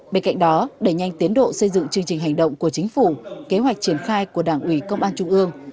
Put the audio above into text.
bên cạnh đó đẩy nhanh tiến độ xây dựng chương trình hành động của chính phủ kế hoạch triển khai của đảng ủy công an trung ương